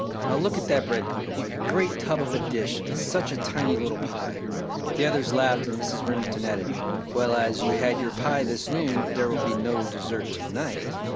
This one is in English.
Now, look at that bread pudding a great tub of a dish, and such a tiny little pie!" The others laughed and Mrs. Remington added, "Well, as you had your pie this noon, there will be no dessert to night!"